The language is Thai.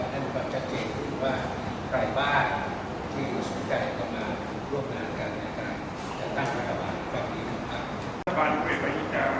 นี่เป็นการจัดเจนหรือว่าใครฝากที่สุดใจต่อมาร่วมงานกันในการตั้งพัฒนาประวัติแบบนี้ครับ